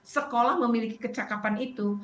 sekolah memiliki kecakapan itu